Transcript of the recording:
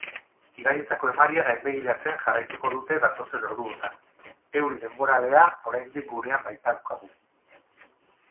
Ibaietako emaria gainbegiratzen jarraituko dute datozen orduotan, euri denboralea oraindik gurean baitaukagu.